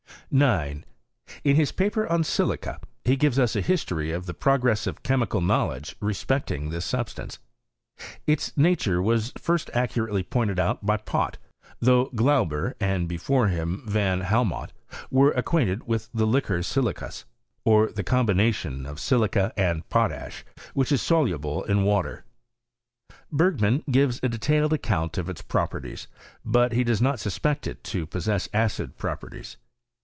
* 9. In his paper on silica he gives us a history of the progress of chemical knowledge respecting this Bubstance. Its nature was first accurately pointed out by Pott; though Glauber, and before him Van Helmont, were acquainted with the iiyuor wfieas, or the combination of silica and potash, which ii soluble in water. Bergman gives a detailed account of its properties; but he does not suspect it to pos sess acid properties.